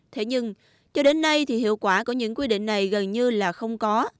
thế nhưng cho đến nay thì hiệu quả của những quy định này gần như là không có